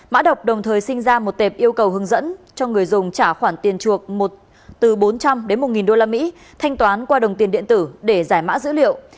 mã độc đồng thời sinh ra một tệp yêu cầu hướng dẫn cho người dùng trả khoản tiền chuộc từ bốn trăm linh đến một usd thanh toán qua đồng tiền điện tử để giải mã dữ liệu